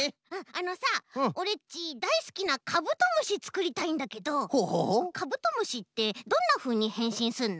あのさオレっちだいすきなカブトムシつくりたいんだけどカブトムシってどんなふうにへんしんすんの？